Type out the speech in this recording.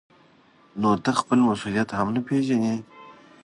نو ته خپل مسؤلیت هم نه پېژنې.